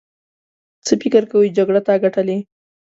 څه فکر کوې جګړه تا ګټلې.